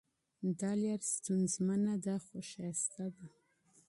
دا لاره ستونزمنه ده خو ښکلې ده.